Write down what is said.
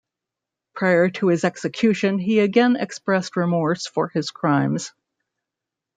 Prior to his execution, he again expressed remorse for his crimes.